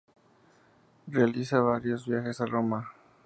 Realiza varios viajes a Roma.